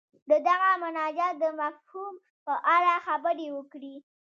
د دغه مناجات د مفهوم په اړه خبرې وکړي.